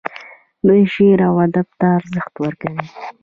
دوی شعر او ادب ته ارزښت ورکوي.